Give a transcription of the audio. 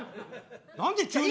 何で急に！